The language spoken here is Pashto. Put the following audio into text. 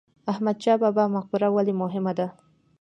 احمد شاه بابا مقبره ولې مهمه ده؟